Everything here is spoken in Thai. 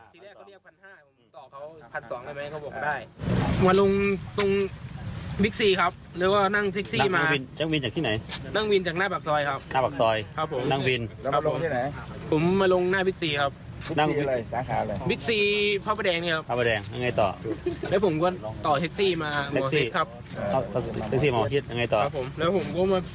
ผมก็มาซื้อเกงซื้อเสื้อเปลี่ยนครับ